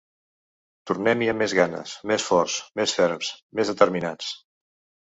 Tornem-hi amb més ganes, més forts, més ferms, més determinats.